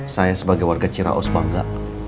saya sebagai warga ciraos bangga